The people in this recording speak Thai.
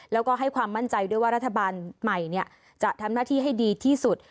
แล้วก็ให้ความมั่นใจด้วยว่ารัฐบาลใหม่จะทำหน้าที่ให้ดีที่สุด